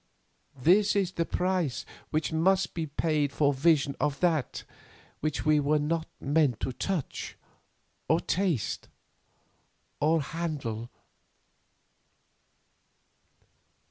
This is the price which must be paid for vision of that which we were not meant to touch, to taste, to handle."